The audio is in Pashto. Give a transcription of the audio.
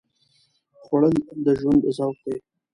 خوړل د ژوند ذوق دی